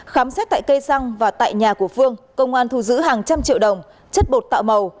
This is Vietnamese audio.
khám xét tại cây xăng và tại nhà của phương công an thu giữ hàng trăm triệu đồng chất bột tạo màu